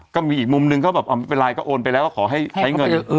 ก็มีอีกมุมหนึ่งเขาก็โอนไปแล้วขอให้ใช้เงิน